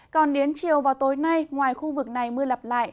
còn đến chiều vào tối nay ngoài khu vực này mưa lặp lại